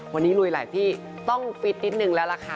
วันนี้ลุยหลายที่ต้องฟิตนิดนึงแล้วล่ะค่ะ